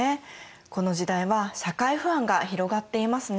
この時代は社会不安が広がっていますね。